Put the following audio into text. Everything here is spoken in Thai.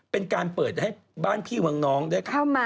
เป็นการเปิดให้บ้านพี่วังน้องได้เข้ามา